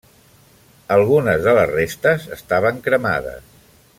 Algunes de les restes estaven cremades.